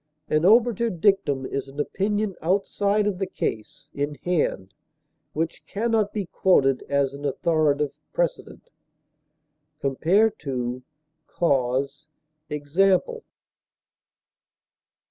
An obiter dictum is an opinion outside of the case in hand, which can not be quoted as an authoritative precedent. Compare CAUSE; EXAMPLE.